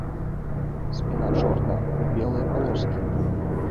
Спіна чорная ў белыя палоскі.